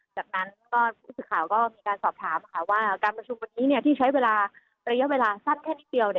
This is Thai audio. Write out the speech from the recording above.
จากนั้นก็ผู้สื่อข่าวก็มีการสอบถามว่าการประชุมวันนี้ที่ใช้เวลาระยะเวลาสั้นแค่นิดเดียว